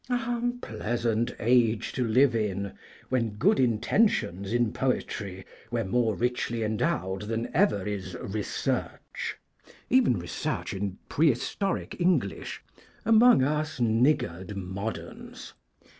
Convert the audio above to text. Ah, pleasant age to live in, when good intentions in poetry were more richly endowed than ever is Research, even Research in Prehistoric English, among us niggard moderns!